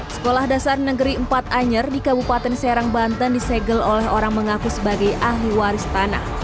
sekolah dasar negeri empat anyer di kabupaten serang banten disegel oleh orang mengaku sebagai ahli waris tanah